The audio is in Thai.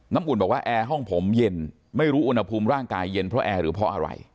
อุ่นบอกว่าแอร์ห้องผมเย็นไม่รู้อุณหภูมิร่างกายเย็นเพราะแอร์หรือเพราะอะไร